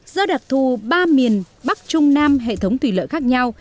do đặc thù ba miền bắc trung nam hệ thống thủy lợi khác nhau